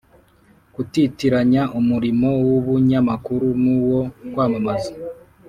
Kutitiranya umurimo w’ubunyamakuru n’uwo kwamamaza.